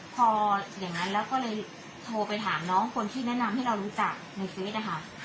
พออย่างนั้นแล้วก็เลยโทรไปถามน้องคนที่แนะนำให้เรารู้จักในเฟสนะคะ